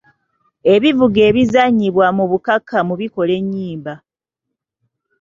Ebivuga ebizannyibwa mu bukakkamu bikola enyimba.